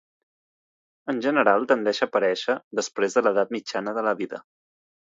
En general, tendeix a aparèixer després de l'edat mitjana de la vida.